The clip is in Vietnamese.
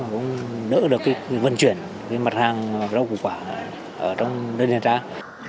cũng đỡ được cái vận chuyển cái mặt hàng rau củ quả ở trong đơn giản trang